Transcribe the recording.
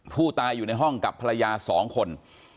ผู้ตายอยู่ในห้องกับภรรยา๒คน